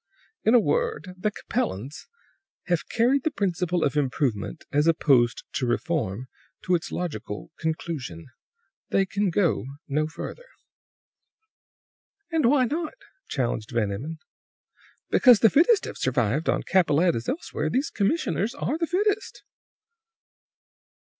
"In a word, the Capellans have carried the principle of improvement, as opposed to reform, to its logical conclusion. They can go no further." "And why not?" challenged Van Emmon. "Because the fittest have survived, on Capellette as elsewhere. These commissioners are the fittest."